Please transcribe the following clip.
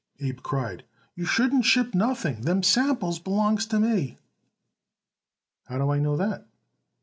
Abe cried. "You shouldn't ship nothing. Them samples belongs to me." "How do I know that?"